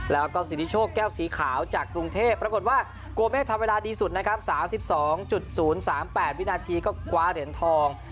แล้วก็สิทธิโชคแก้วสีขาวจากกรุงเทพปรากฏว่าโกเมฆทำเวลาดีสุดนะครับ๓๒๐๓๘วินาทีก็คว้าเหรียญทอง